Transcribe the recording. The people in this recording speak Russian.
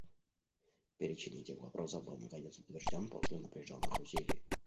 Перечень этих вопросов был наконец утвержден после напряженных усилий.